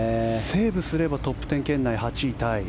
セーブすればトップ１０圏内、８位タイ。